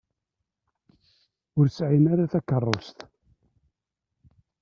Ur sɛin ara takeṛṛust.